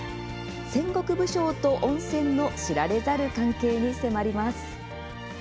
戦国武将と温泉の知られざる関係に迫ります。